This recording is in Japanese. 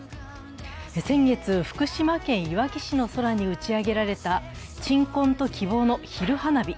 先月、福島県いわき市の空に打ち上げられた鎮魂と希望の昼花火。